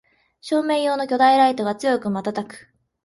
照明用の巨大ライトが強くまたたく